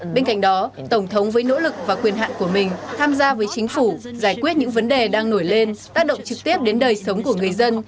bên cạnh đó tổng thống với nỗ lực và quyền hạn của mình tham gia với chính phủ giải quyết những vấn đề đang nổi lên tác động trực tiếp đến đời sống của người dân